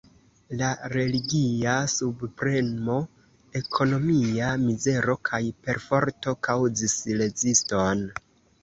La religia subpremo, ekonomia mizero kaj perforto kaŭzis reziston.